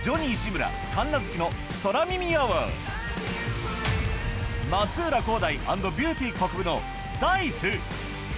村神奈月の空耳アワー松浦航大＆ビューティーこくぶのＤａ−ｉＣＥ